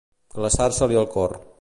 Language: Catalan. Glaçar-se-li el cor.